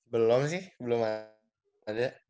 belum sih belum ada